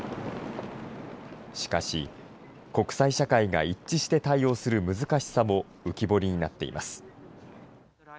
しかし、国際社会が一致して対応する難しさも浮き彫りになっています。